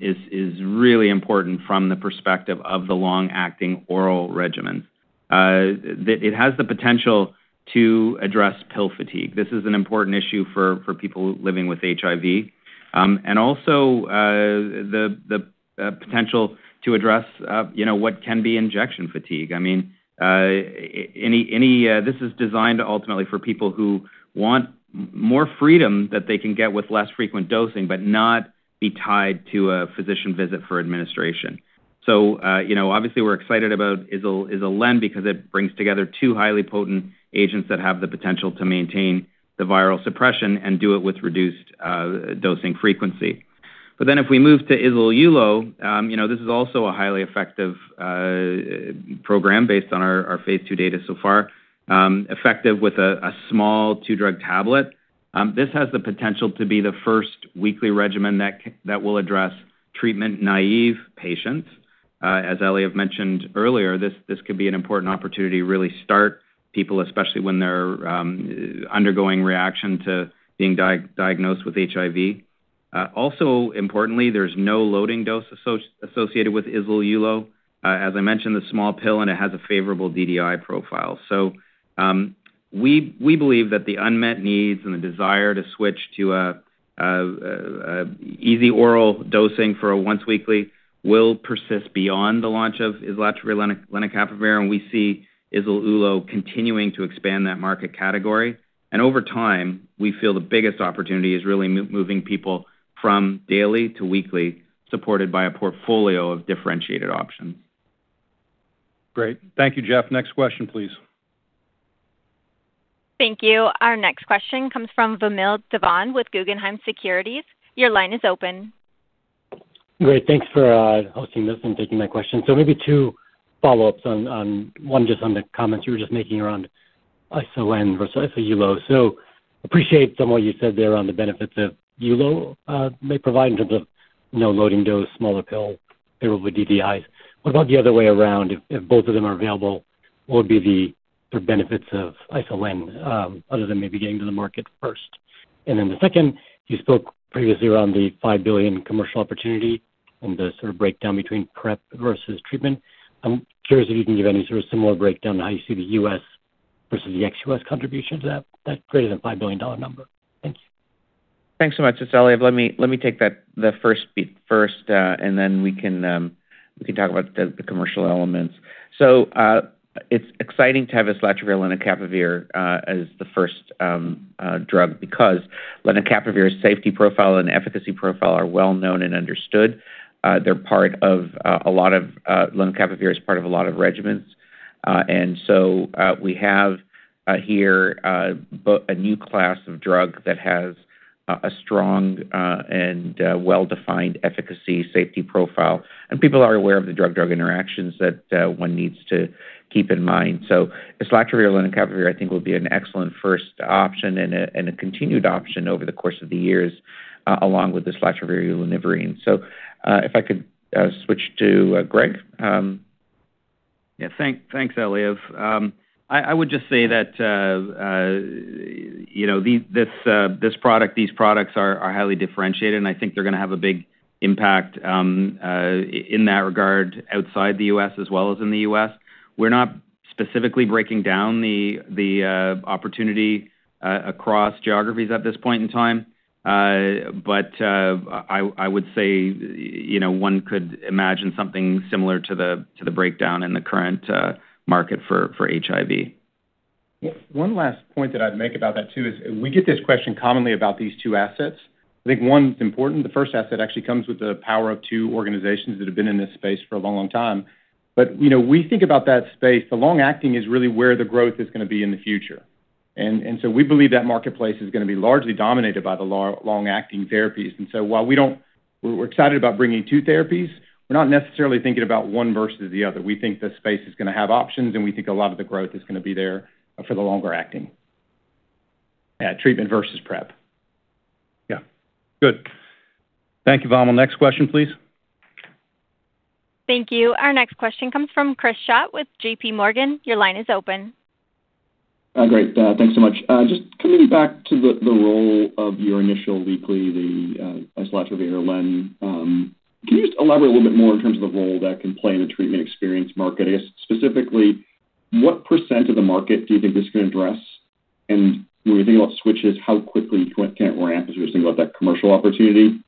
is really important from the perspective of the long-acting oral regimen. That it has the potential to address pill fatigue. This is an important issue for people living with HIV. Also, the potential to address what can be injection fatigue. This is designed ultimately for people who want more freedom that they can get with less frequent dosing, not be tied to a physician visit for administration. Obviously, we're excited about ISL/LEN because it brings together two highly potent agents that have the potential to maintain the viral suppression and do it with reduced dosing frequency. If we move to ISL/ULO, this is also a highly effective program based on our phase II data so far, effective with a small two-drug tablet. This has the potential to be the first weekly regimen that will address treatment-naive patients. As Eliav mentioned earlier, this could be an important opportunity to really start people, especially when they're undergoing reaction to being diagnosed with HIV. Also importantly, there's no loading dose associated with ISL/ULO. As I mentioned, a small pill, and it has a favorable DDI profile. We believe that the unmet needs and the desire to switch to easy oral dosing for a once weekly will persist beyond the launch of islatravir/lenacapavir, and we see ISL/ULO continuing to expand that market category. Over time, we feel the biggest opportunity is really moving people from daily to weekly, supported by a portfolio of differentiated options. Great. Thank you, Geoff. Next question, please. Thank you. Our next question comes from Vamil Divan with Guggenheim Securities. Your line is open. Great. Thanks for hosting this and taking my question. Maybe two follow-ups, one just on the comments you were just making around ISL/LEN versus ISL/ULO. Appreciate some of what you said there on the benefits of ulonivirine it may provide in terms of no loading dose, smaller pill, favorable DDIs. What about the other way around? If both of them are available, what would be the benefits of ISL/LEN other than maybe getting to the market first? The second, you spoke previously around the $5 billion commercial opportunity and the sort of breakdown between PrEP versus treatment. I'm curious if you can give any sort of similar breakdown on how you see the U.S. versus the ex-U.S. contribution to that greater than $5 billion number. Thanks. Thanks so much. It's Eliav. Let me take the first bit first, then we can talk about the commercial elements. It's exciting to have islatravir/lenacapavir as the first drug because lenacapavir's safety profile and efficacy profile are well-known and understood. Lenacapavir is part of a lot of regimens. We have here a new class of drug that has a strong and well-defined efficacy safety profile, and people are aware of the drug-drug interactions that one needs to keep in mind. Islatravir/lenacapavir, I think, will be an excellent first option and a continued option over the course of the years along with the islatravir/ulonivirine. If I could switch to Gregg. Yeah. Thanks, Eliav. I would just say that these products are highly differentiated, and I think they're going to have a big impact in that regard outside the U.S. as well as in the U.S. We're not specifically breaking down the opportunity across geographies at this point in time. I would say one could imagine something similar to the breakdown in the current market for HIV. One last point that I'd make about that, too, is we get this question commonly about these two assets. I think one important, the first asset actually comes with the power of two organizations that have been in this space for a long, long time. We think about that space, the long-acting is really where the growth is going to be in the future. We believe that marketplace is going to be largely dominated by the long-acting therapies. While we're excited about bringing two therapies, we're not necessarily thinking about one versus the other. We think the space is going to have options, and we think a lot of the growth is going to be there for the longer-acting at treatment versus PrEP. Yeah. Good. Thank you, Vamil. Next question, please. Thank you. Our next question comes from Chris Schott with JPMorgan. Your line is open. Great. Thanks so much. Just coming back to the role of your initial weekly, the islatravir/lenacapavir. Can you just elaborate a little bit more in terms of the role that can play in the treatment experience market? I guess specifically, what % of the market do you think this can address? When we think about switches, how quickly can it ramp as we think about that commercial opportunity?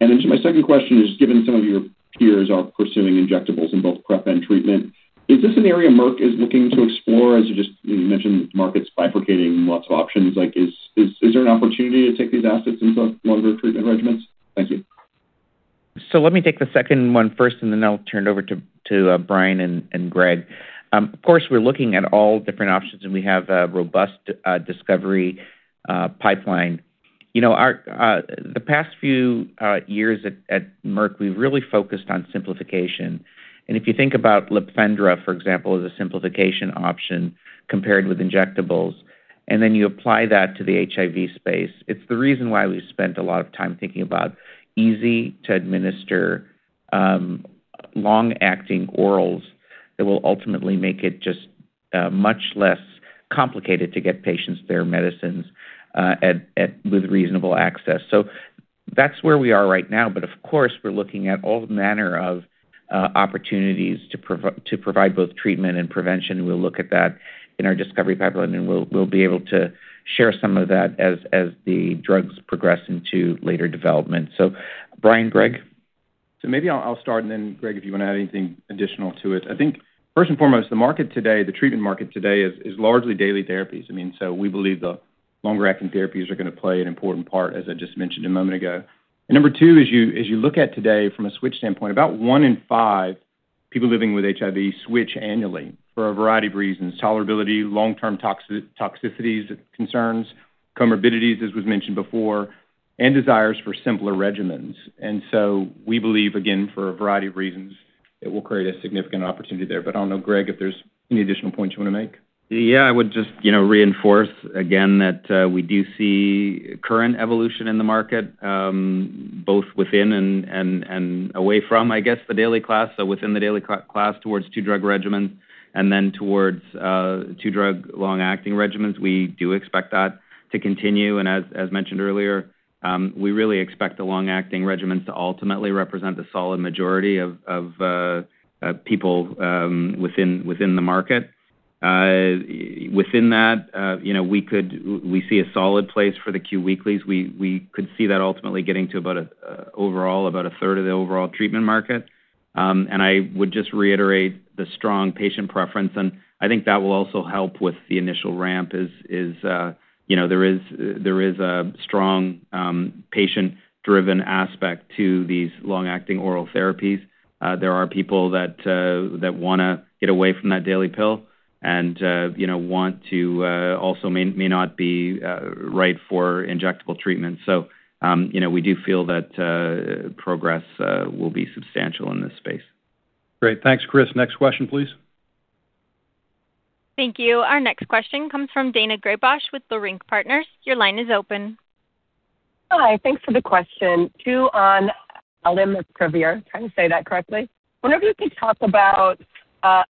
My second question is, given some of your peers are pursuing injectables in both PrEP and treatment, is this an area Merck is looking to explore? As you just mentioned, markets bifurcating, lots of options. Is there an opportunity to take these assets into one of the treatment regimens? Thank you. Let me take the second one first, then I'll turn it over to Brian and Gregg. Of course, we're looking at all different options, and we have a robust discovery pipeline. The past few years at Merck, we've really focused on simplification. If you think about LIPFENDRA, for example, as a simplification option compared with injectables, then you apply that to the HIV space, it's the reason why we spent a lot of time thinking about easy-to-administer, long-acting orals that will ultimately make it just much less complicated to get patients their medicines with reasonable access. That's where we are right now. Of course, we're looking at all manner of opportunities to provide both treatment and prevention. We'll look at that in our discovery pipeline, and we'll be able to share some of that as the drugs progress into later development. Brian, Gregg? Maybe I'll start, and then Gregg, if you want to add anything additional to it. I think first and foremost, the market today, the treatment market today, is largely daily therapies. We believe the longer-acting therapies are going to play an important part, as I just mentioned a moment ago. Number two is you look at today from a switch standpoint. About one in five people living with HIV switch annually for a variety of reasons. Tolerability, long-term toxicities concerns, comorbidities, as was mentioned before, and desires for simpler regimens. We believe, again, for a variety of reasons, it will create a significant opportunity there. I don't know, Gregg, if there's any additional points you want to make. I would just reinforce again that we do see current evolution in the market, both within and away from, I guess, the daily class. Within the daily class towards two-drug regimens and then towards two-drug long-acting regimens. We do expect that to continue. As mentioned earlier, we really expect the long-acting regimens to ultimately represent the solid majority of people within the market. Within that, we see a solid place for the Q weeklies. We could see that ultimately getting to about a third of the overall treatment market. I would just reiterate the strong patient preference, and I think that will also help with the initial ramp, as there is a strong patient-driven aspect to these long-acting oral therapies. There are people that want to get away from that daily pill and also may not be right for injectable treatment. We do feel that progress will be substantial in this space. Great. Thanks, Chris. Next question please. Thank you. Our next question comes from Daina Graybosch with Leerink Partners. Your line is open. Hi. Thanks for the question. Two on alimatravir. Trying to say that correctly. Wonder if you could talk about a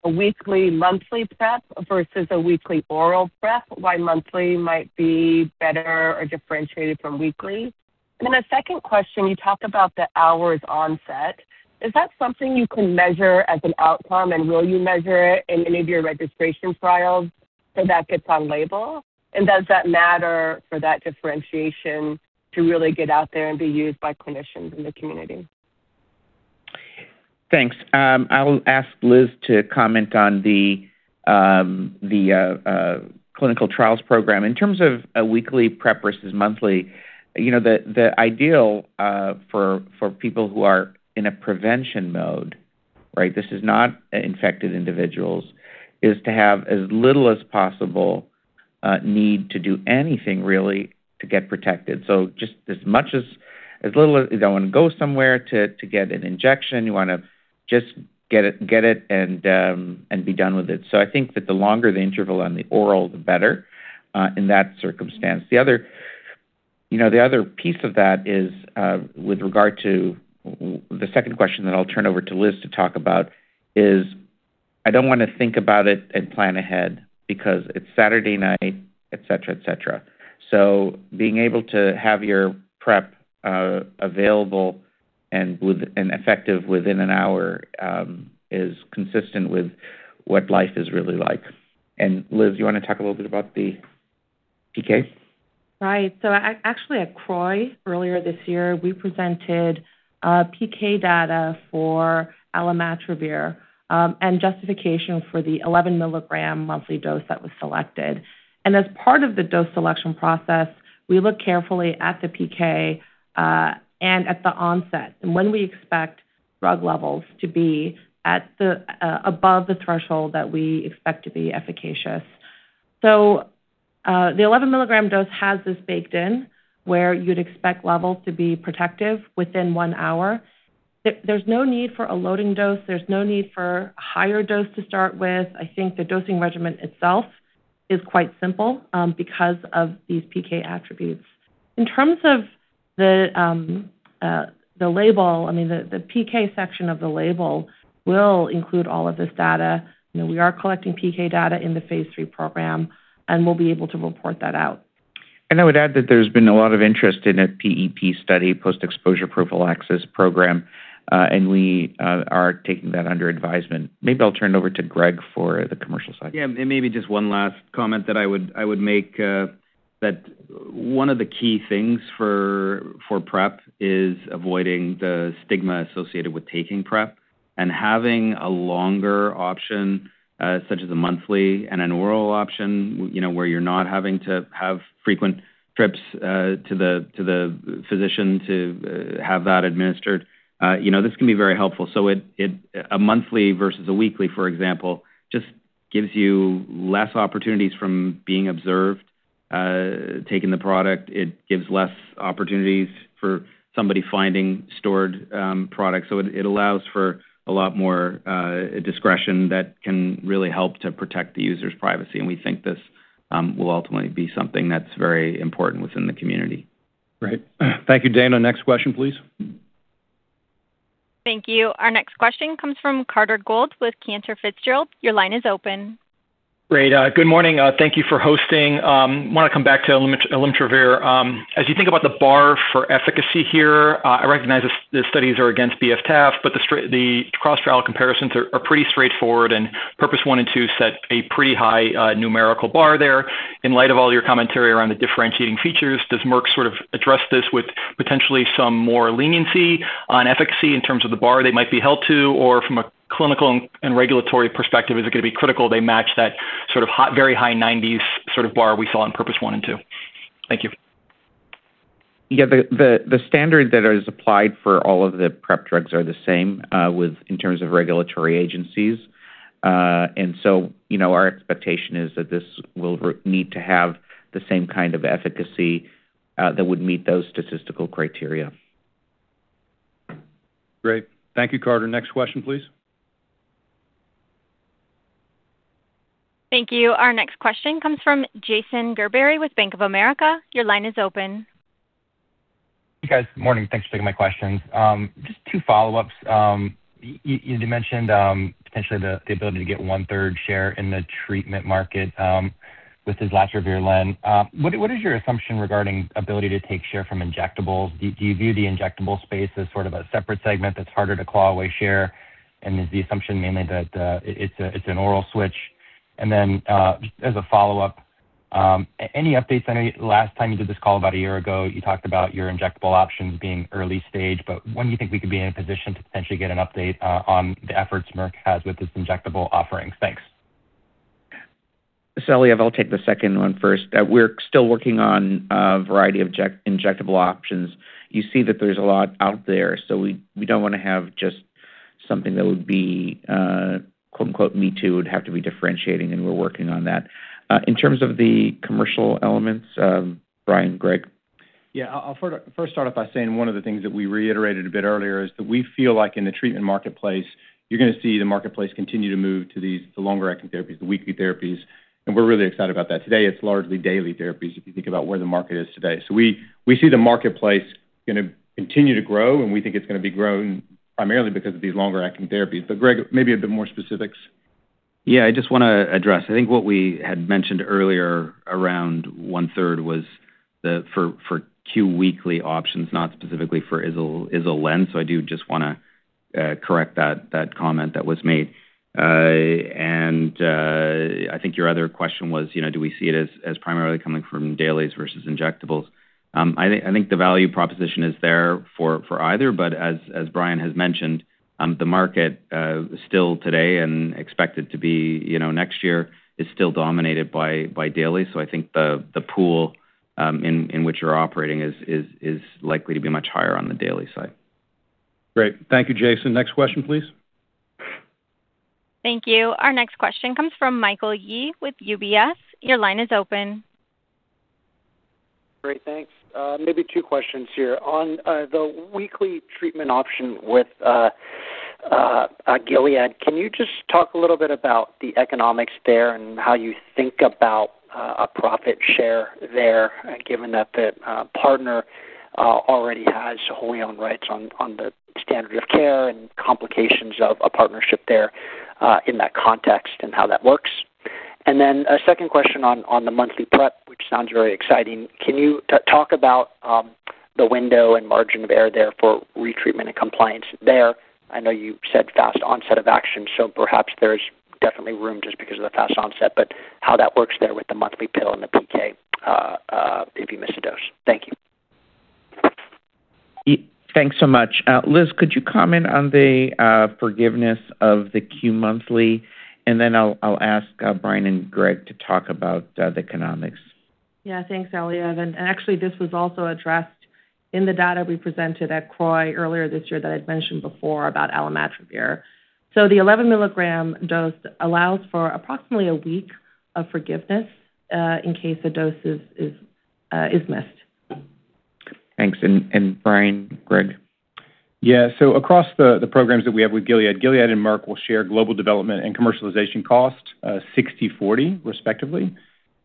monthly PrEP versus a weekly oral PrEP, why monthly might be better or differentiated from weekly. A second question, you talked about the hour's onset. Is that something you can measure as an outcome, will you measure it in any of your registration trials so that gets on label? Does that matter for that differentiation to really get out there and be used by clinicians in the community? Thanks. I'll ask Liz to comment on the clinical trials program. In terms of a weekly PrEP versus monthly, the ideal for people who are in a prevention mode, this is not infected individuals, is to have as little as possible need to do anything, really, to get protected. Just as little as you don't want to go somewhere to get an injection. You want to just get it and be done with it. I think that the longer the interval on the oral, the better in that circumstance. The other piece of that is with regard to the second question that I'll turn over to Liz to talk about is I don't want to think about it and plan ahead because it's Saturday night, et cetera. Being able to have your PrEP available and effective within an hour is consistent with what life is really like. Liz, you want to talk a little bit about the PK? Right. Actually at CROI earlier this year, we presented PK data for alimatravir and justification for the 11-milligram monthly dose that was selected. As part of the dose selection process, we look carefully at the PK and at the onset and when we expect drug levels to be above the threshold that we expect to be efficacious. The 11-milligram dose has this baked in, where you'd expect levels to be protective within one hour. There's no need for a loading dose. There's no need for a higher dose to start with. I think the dosing regimen itself is quite simple because of these PK attributes. In terms of the label, the PK section of the label will include all of this data. We are collecting PK data in the phase III program, and we'll be able to report that out. I would add that there's been a lot of interest in a PEP study, post-exposure prophylaxis program, and we are taking that under advisement. Maybe I'll turn it over to Gregg for the commercial side. Yeah. Maybe just one last comment that I would make, that one of the key things for PrEP is avoiding the stigma associated with taking PrEP and having a longer option, such as a monthly and an oral option, where you're not having to have frequent trips to the physician to have that administered. This can be very helpful. A monthly versus a weekly, for example, just gives you less opportunities from being observed taking the product. It gives less opportunities for somebody finding stored product. It allows for a lot more discretion that can really help to protect the user's privacy, and we think this will ultimately be something that's very important within the community. Great. Thank you, Daina. Next question, please. Thank you. Our next question comes from Carter Gould with Cantor Fitzgerald. Your line is open. Great. Good morning. Thank you for hosting. I want to come back to alimatravir. As you think about the bar for efficacy here, I recognize the studies are against B/F/TAF, but the cross-trial comparisons are pretty straightforward, and PURPOSE 1 and 2 set a pretty high numerical bar there. In light of all your commentary around the differentiating features, does Merck sort of address this with potentially some more leniency on efficacy in terms of the bar they might be held to, or from a clinical and regulatory perspective, is it going to be critical they match that sort of very high 90s sort of bar we saw on PURPOSE 1 and 2? Thank you. Yeah. The standard that is applied for all of the PrEP drugs are the same in terms of regulatory agencies. Our expectation is that this will need to have the same kind of efficacy that would meet those statistical criteria. Great. Thank you, Carter. Next question, please. Thank you. Our next question comes from Jason Gerberry with Bank of America. Your line is open. Hey, guys. Morning. Thanks for taking my questions. Just two follow-ups. You mentioned potentially the ability to get 1/3 share in the treatment market with islatravir-lenacapavir. What is your assumption regarding ability to take share from injectables? Do you view the injectable space as sort of a separate segment that's harder to claw away share? And is the assumption mainly that it's an oral switch? Just as a follow-up, any updates? I know last time you did this call about a year ago, you talked about your injectable options being early stage, but when do you think we could be in a position to potentially get an update on the efforts Merck has with its injectable offerings? Thanks. I'll take the second one first. We're still working on a variety of injectable options. You see that there's a lot out there, we don't want to have just something that would be "me too." It would have to be differentiating, and we're working on that. In terms of the commercial elements, Brian, Gregg? Yeah. I'll first start off by saying one of the things that we reiterated a bit earlier is that we feel like in the treatment marketplace, you're going to see the marketplace continue to move to the longer acting therapies, the weekly therapies, and we're really excited about that. Today, it's largely daily therapies, if you think about where the market is today. We see the marketplace going to continue to grow, and we think it's going to be growing primarily because of these longer-acting therapies. Gregg, maybe a bit more specifics. I just want to address, I think what we had mentioned earlier around 1/3 was for Q weekly options, not specifically for ISL/LEN, I do just want to correct that comment that was made. I think your other question was, do we see it as primarily coming from dailies versus injectables? I think the value proposition is there for either, but as Brian has mentioned, the market still today and expected to be next year, is still dominated by daily. I think the pool in which we're operating is likely to be much higher on the daily side. Great. Thank you, Jason. Next question, please. Thank you. Our next question comes from Michael Yee with UBS. Your line is open. Great. Thanks. Maybe two questions here. On the weekly treatment option with Gilead, can you just talk a little bit about the economics there and how you think about a profit share there, given that the partner already has wholly owned rights on the standard of care and complications of a partnership there in that context and how that works? Then a second question on the monthly PrEP, which sounds very exciting. Can you talk about the window and margin of error there for retreatment and compliance there? I know you said fast onset of action, so perhaps there's definitely room just because of the fast onset, but how that works there with the monthly pill and the PK if you miss a dose. Thank you. Thanks so much. Liz, could you comment on the forgiveness of the Q monthly? I'll ask Brian and Gregg to talk about the economics. Yeah. Thanks, Eli, actually, this was also addressed in the data we presented at CROI earlier this year that I'd mentioned before about alimatravir. The 11-milligram dose allows for approximately a week of forgiveness in case a dose is missed. Thanks. Brian, Gregg? Yeah. Across the programs that we have with Gilead and Merck will share global development and commercialization costs 60/40 respectively.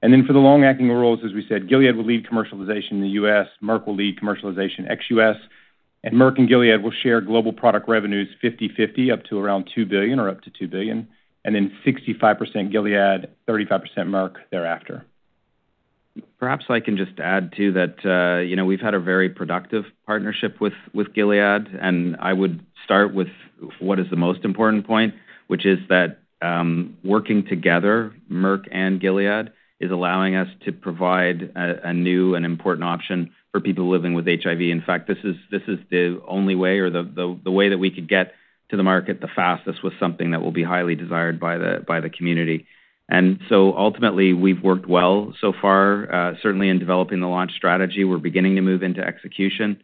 For the long-acting orals, as we said, Gilead will lead commercialization in the U.S., Merck will lead commercialization ex-U.S. Merck and Gilead will share global product revenues 50/50, up to around $2 billion, or up to $2 billion, and then 65% Gilead, 35% Merck thereafter. Perhaps I can just add too that we've had a very productive partnership with Gilead, and I would start with what is the most important point, which is that working together, Merck and Gilead, is allowing us to provide a new and important option for people living with HIV. In fact, this is the only way or the way that we could get to the market the fastest with something that will be highly desired by the community. Ultimately, we've worked well so far. Certainly in developing the launch strategy, we're beginning to move into execution.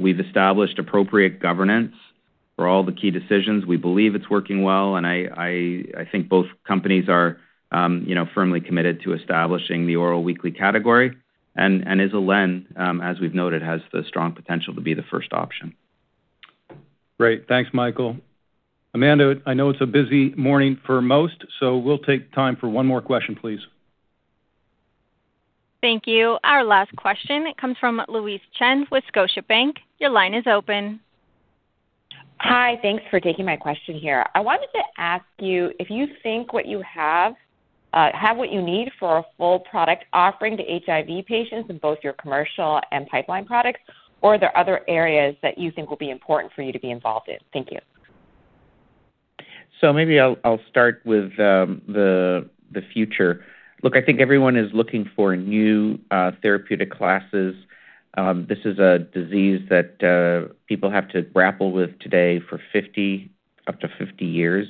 We've established appropriate governance for all the key decisions. We believe it's working well, and I think both companies are firmly committed to establishing the oral weekly category. ISL/LEN, as we've noted, has the strong potential to be the first option. Great. Thanks, Michael. Amanda, I know it's a busy morning for most, so we'll take time for one more question, please. Thank you. Our last question comes from Louise Chen with Scotiabank. Your line is open. Hi. Thanks for taking my question here. I wanted to ask you if you think have what you need for a full product offering to HIV patients in both your commercial and pipeline products, or are there other areas that you think will be important for you to be involved in? Thank you. Maybe I'll start with the future. Look, I think everyone is looking for new therapeutic classes. This is a disease that people have to grapple with today for up to 50 years.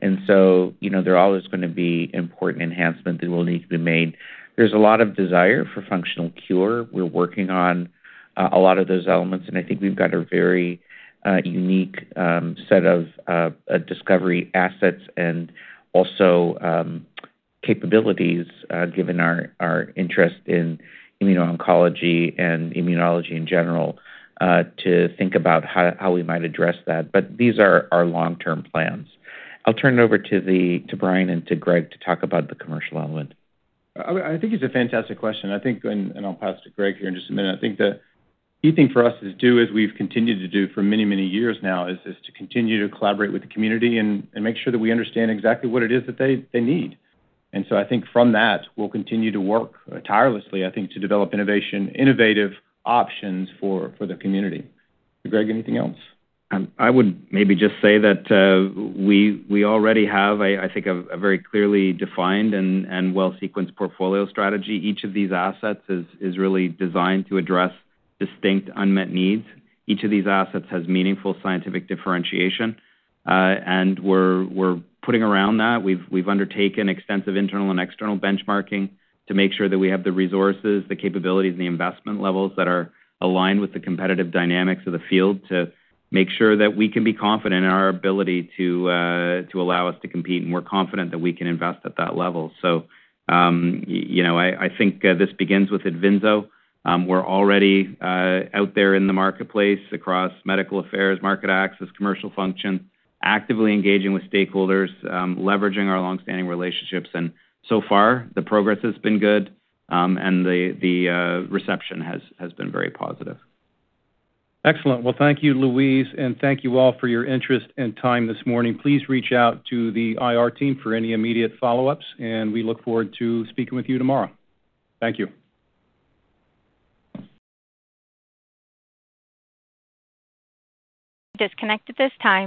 There are always going to be important enhancements that will need to be made. There's a lot of desire for functional cure. We're working on a lot of those elements, and I think we've got a very unique set of discovery assets and also capabilities, given our interest in immuno-oncology and immunology in general, to think about how we might address that. These are our long-term plans. I'll turn it over to Brian and to Gregg to talk about the commercial element. I think it's a fantastic question, and I'll pass to Gregg here in just a minute. I think the key thing for us to do is we've continued to do for many, many years now is to continue to collaborate with the community and make sure that we understand exactly what it is that they need. I think from that, we'll continue to work tirelessly, I think, to develop innovative options for the community. Gregg, anything else? I would maybe just say that we already have, I think, a very clearly defined and well-sequenced portfolio strategy. Each of these assets is really designed to address distinct unmet needs. Each of these assets has meaningful scientific differentiation, and we're putting around that. We've undertaken extensive internal and external benchmarking to make sure that we have the resources, the capabilities, and the investment levels that are aligned with the competitive dynamics of the field to make sure that we can be confident in our ability to allow us to compete, and we're confident that we can invest at that level. I think this begins with IDVYNSO. We're already out there in the marketplace across medical affairs, market access, commercial function, actively engaging with stakeholders, leveraging our longstanding relationships, and so far, the progress has been good and the reception has been very positive. Excellent. Well, thank you, Louise, and thank you all for your interest and time this morning. Please reach out to the IR team for any immediate follow-ups, and we look forward to speaking with you tomorrow. Thank you. [inaudible] Disconnect at this time.